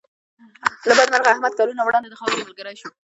له بده مرغه احمد کلونه وړاندې د خاورو ملګری شو.